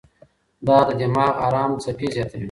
دا د دماغ ارام څپې زیاتوي.